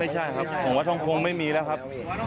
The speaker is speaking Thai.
ไม่ใช่ครับผมว่าทองคงไม่มีแล้วครับ